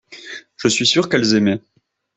Je suis sûr qu’elles aimaient.